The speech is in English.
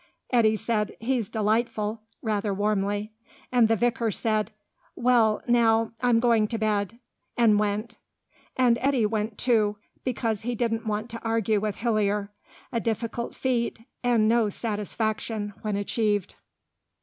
Eddy said, "He's delightful," rather warmly, and the vicar said, "Well, now, I'm going to bed," and went, and Eddy went, too, because he didn't want to argue with Hillier, a difficult feat, and no satisfaction when achieved.